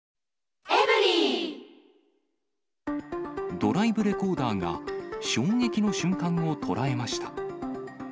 ドライブレコーダーが衝撃の瞬間を捉えました。